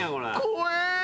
怖え。